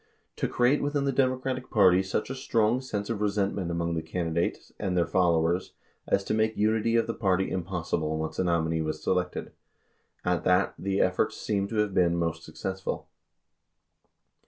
206 to create within the Democratic Party such a strong sense of resentment among the candidates and their followers as to make unity of the party impossible once a nominee was selected. At that, the efforts seems to have been most success ful.